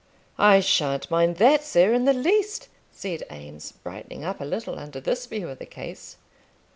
"I shan't mind that, sir, in the least," said Eames, brightening up a little under this view of the case.